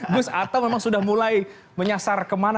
gus atau memang sudah mulai menyasar kemana